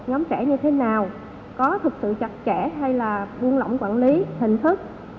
nhóm trẻ như thế nào có thực sự chặt chẽ hay là buôn lỏng quản lý hình thức